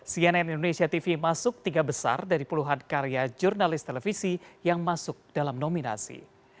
cnn indonesia tv masuk tiga besar dari puluhan karya jurnalis televisi yang masuk dalam nominasi